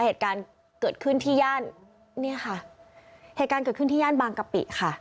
เหตุการณ์เกิดขึ้นที่ย่านบางกะปิค่ะ